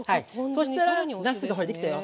そしたらなすがほれできたよ。